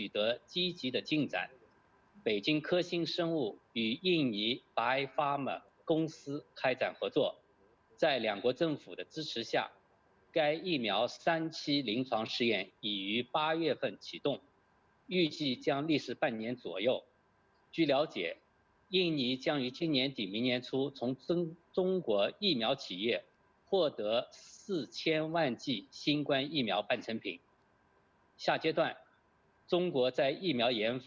terima kasih atas pertanyaan anda